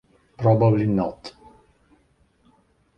Probably not.